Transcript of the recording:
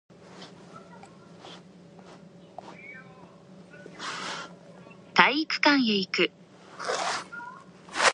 体育館へ行く